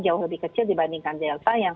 jauh lebih kecil dibandingkan delta yang